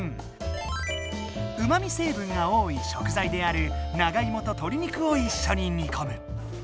うまみ成分が多い食材である長いもととり肉をいっしょに煮こむ。